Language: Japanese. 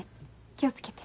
気を付けて。